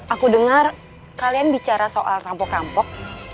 aku dengar kalian bicara soal rampok rampok